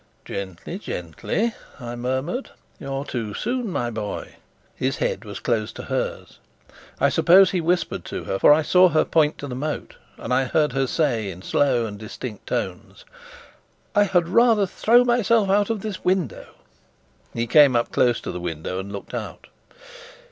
"Gently, gently!" I murmured. "You're too soon, my boy!" His head was close to hers. I suppose he whispered to her, for I saw her point to the moat, and I heard her say, in slow and distinct tones: "I had rather throw myself out of this window!" He came close up to the window and looked out.